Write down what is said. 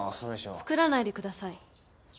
作らないでください。